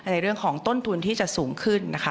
ในเรื่องของต้นทุนที่จะสูงขึ้นนะคะ